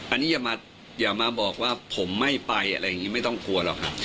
อันนี้อย่ามาบอกว่าผมไม่ไปอะไรอย่างนี้ไม่ต้องกลัวหรอกครับ